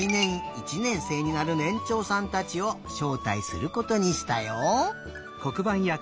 １ねんせいになるねんちょうさんたちをしょうたいすることにしたよ。